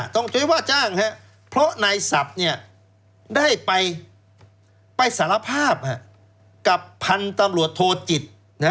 จุ้ยว่าจ้างเพราะนายศัพท์ได้ไปสารภาพกับพันธุ์ตำรวจโทจิต